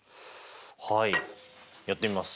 はいやってみます。